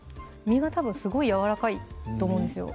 身がたぶんすごいやわらかいと思うんですよ